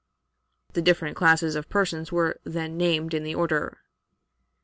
(The different classes of persons were then named in the order.)